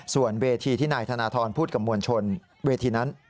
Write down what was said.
ส่วนเวทีที่นายธนทรพูดกับมวลชนเวทีนั้น